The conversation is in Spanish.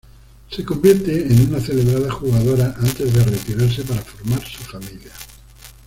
Se convierte en un celebrada jugadora antes de retirarse para formar su familia.